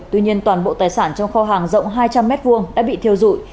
tuy nhiên toàn bộ tài sản trong kho hàng rộng hai trăm linh m hai đã bị thiêu dụi